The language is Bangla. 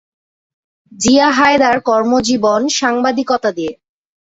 জিয়া হায়দার কর্মজীবন সাংবাদিকতা দিয়ে।